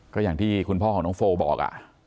ก็อย่างที่คุณพ่อของน้องโฟบอก